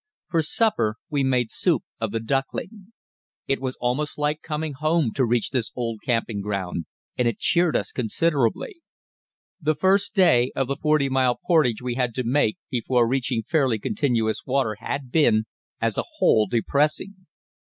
For supper we made soup of the duckling. It was almost like coming home to reach this old camping ground, and it cheered us considerably. The first day of the forty mile portage we had to make before reaching fairly continuous water had been, as a whole, depressing.